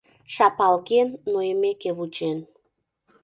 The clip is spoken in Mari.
Шапалген, нойымеке вучен.